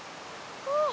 ああ！